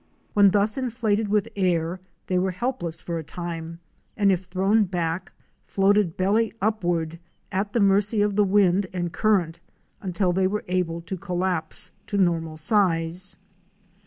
When thus inflated with air they were helpless for a time, and if thrown back, floated belly upward at the mercy of the wind and current, until they were able to collapse to normal size.